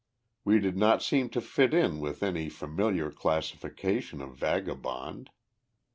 We did not seem to fit in with any familiar classification of vagabond.